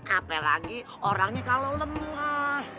apalagi orangnya kalau lemah